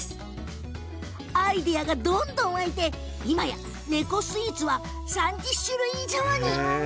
アイデアがどんどん湧いて今や猫スイーツは３０種類以上に。